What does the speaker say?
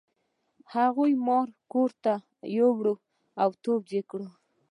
هغه مار کور ته راوړ او تود یې کړ.